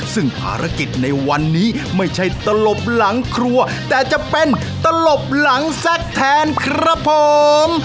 ซึ่งภารกิจในวันนี้ไม่ใช่ตลบหลังครัวแต่จะเป็นตลบหลังแซคแทนครับผม